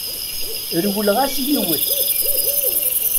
Rewleɣ-as i yiwet.